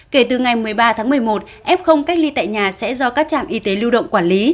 kể từ ngày một mươi ba tháng một mươi một f cách ly tại nhà sẽ do các trạm y tế lưu động quản lý